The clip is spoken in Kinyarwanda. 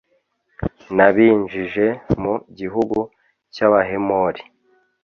nabinjije mu gihugu cy'abahemori